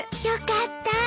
よかった。